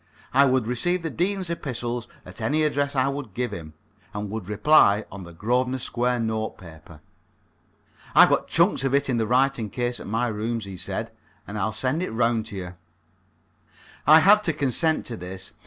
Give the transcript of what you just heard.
I would receive the Dean's epistles at any address I would give him, and would reply on the Grosvenor Square notepaper. "I've got chunks of it in a writing case at my rooms," he said, "and I'll send it round to you." I had to consent to this.